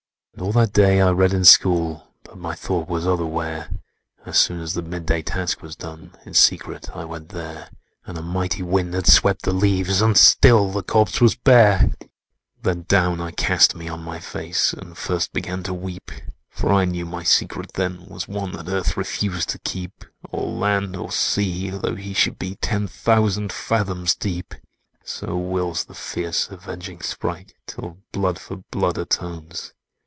"And all that day I read in school, But my thought was otherwhere; As soon as the midday task was done, In secret I went there: And a mighty wind had swept the leaves, And still the corpse was bare! "Then down I cast me on my face, And first began to weep, For I knew my secret then was one That earth refused to keep: Or land, or sea, though he should be Ten thousand fathoms deep. "So wills the fierce avenging Sprite, Till blood for blood atones!